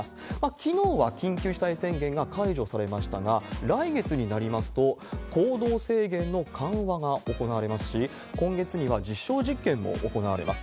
きのうは緊急事態宣言が解除されましたが、来月になりますと、行動制限の緩和が行われますし、今月には実証実験も行われます。